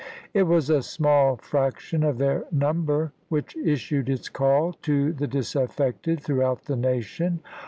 It was a small fraction 1864. of their number which issued its call to the dis affected throughout the nation.